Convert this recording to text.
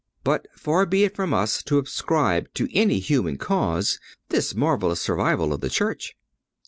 But far be it from us to ascribe to any human cause this marvelous survival of the Church.